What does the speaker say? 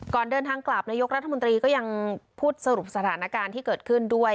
ก่อนเดินทางกลับนายกรัฐมนตรีก็ยังพูดสรุปสถานการณ์ที่เกิดขึ้นด้วย